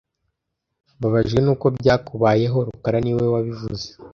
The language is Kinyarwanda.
Mbabajwe nuko byakubayeho rukara niwe wabivuze